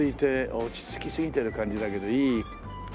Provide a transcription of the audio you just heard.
落ち着きすぎてる感じだけどいい。